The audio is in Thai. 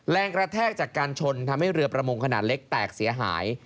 แรงกระแทกจากการชนทำให้เรือประมงขนาดเล็กแตกเสียหาย